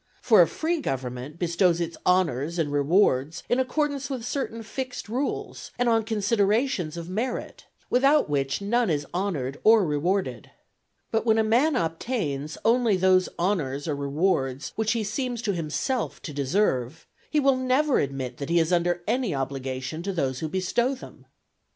For a free government bestows its honours and rewards in accordance with certain fixed rules, and on considerations of merit, without which none is honoured or rewarded. But when a man obtains only those honours or rewards which he seems to himself to deserve, he will never admit that he is under any obligation to those who bestow them.